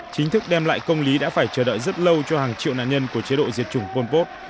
chính thức đem lại công lý đã phải chờ đợi rất lâu cho hàng triệu nạn nhân của chế độ diệt chủng pol pot